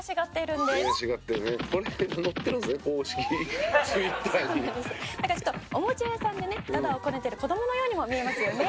なんかちょっとおもちゃ屋さんでねだだをこねてる子供のようにも見えますよね」